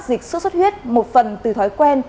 dịch xuất xuất huyết một phần từ thói quen